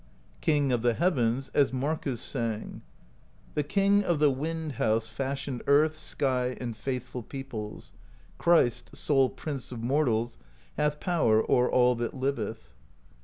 King of the Heavens, as Markus sang: The King of the Wind House fashioned Earth, sky^ and faithful peoples; Christ, sole Prince of Mortals, Hath power o'er all that liveth.